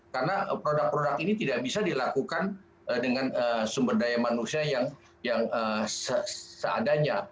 karena produk produk ini tidak bisa dilakukan dengan sumber daya manusia yang seadanya